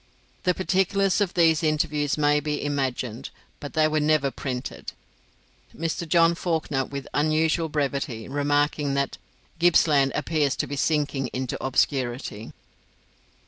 The particulars of these interviews may be imagined, but they were never printed, Mr. John Fawkner, with unusual brevity, remarking that "Gippsland appears to be sinking into obscurity."